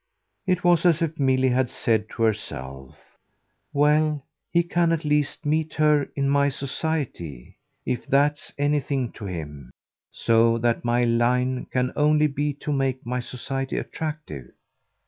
It was as if Milly had said to herself: "Well, he can at least meet her in my society, if that's anything to him; so that my line can only be to make my society attractive."